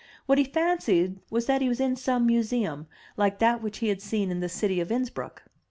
What he fancied was that he was in some museum, like that which he had seen in the city of Innsbruck.